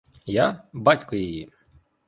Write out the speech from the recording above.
Я — батько її.